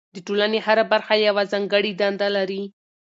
د ټولنې هره برخه یوه ځانګړې دنده لري.